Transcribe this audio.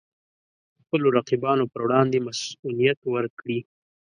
خپلو رقیبانو پر وړاندې مصئونیت ورکړي.